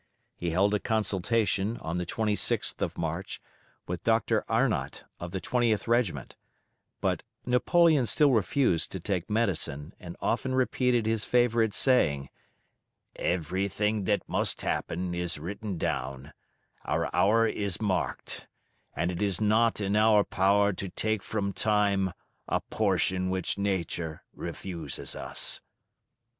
He held a consultation, on the 26th of March, with Dr. Arnott of the 20th Regiment; but Napoleon still refused to take medicine, and often repeated his favourite saying: "Everything that must happen is written down, our hour is marked, and it is not in our power to take from time a portion which nature refuses us."